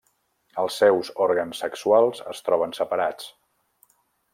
Els seus òrgans sexuals es troben separats.